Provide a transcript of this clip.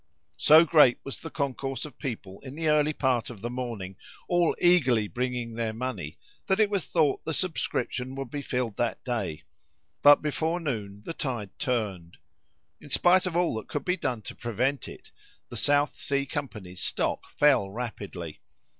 So great was the concourse of people in the early part of the morning, all eagerly bringing their money, that it was thought the subscription would be filled that day; but before noon, the tide turned. In spite of all that could be done to prevent it, the South Sea company's stock fell rapidly.